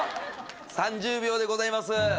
３０秒でございます